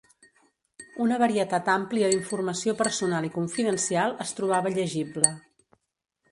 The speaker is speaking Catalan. Una varietat àmplia d'informació personal i confidencial es trobava llegible.